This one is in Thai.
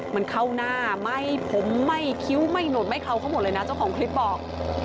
มันเข้าหน้าไหม้ผมไหม้คิ้วไม่หนุนไม่เขาเขาหมดเลยนะเจ้าของคลิปบอก